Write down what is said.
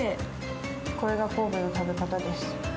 これが神戸の食べ方です。